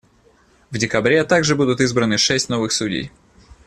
В декабре также будут избраны шесть новых судей.